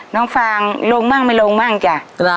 ฟางลงบ้างไม่ลงบ้างจ้ะ